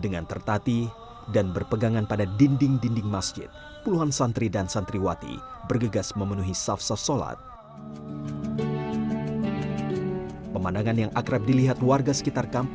saya tidak mau menjadi orang yang buta